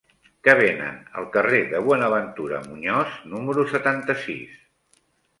Què venen al carrer de Buenaventura Muñoz número setanta-sis?